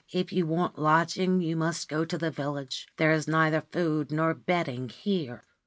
If you want lodging you must go to the village. There is neither food nor bedding here.'